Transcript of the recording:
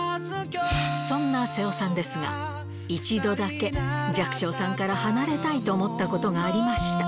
そんな瀬尾さんですが、一度だけ、寂聴さんから離れたいと思ったことがありました。